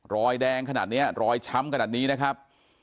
รอยแดงขนาดนี้รอยช้ำขนาดนี้นะครับ